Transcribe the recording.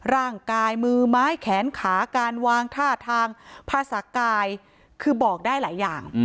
ร่างกายมือไม้แขนขาการวางท่าทางภาษากายคือบอกได้หลายอย่าง